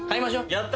やった。